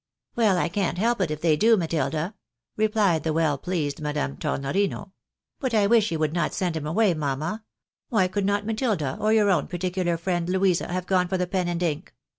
" Well, I can't help it, if they do, Matilda," replied the well pleased Madame Tornorino. " But I wish you would not send him away, mamma ! Why could not Matilda, or your own particular friend, Louisa, have gone for the pen and ink